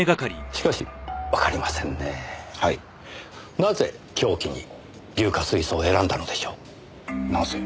なぜ凶器に硫化水素を選んだのでしょう？